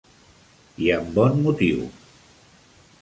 I amb bon motiu.